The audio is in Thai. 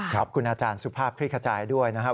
ขอบคุณอาจารย์สุภาพคลิกขจายด้วยนะครับ